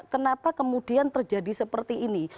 kenapa kemudian terjadi seperti ini